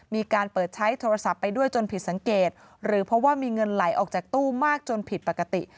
มีการเปิดใช้โทรศัพท์ไปด้วยจนผิดสังเกตหรือเพราะว่ามีเงินไหลออกจากตู้มากจนผิดปกติ